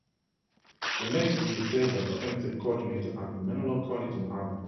The next year, he served as offensive coordinator at Menlo College in Atherton.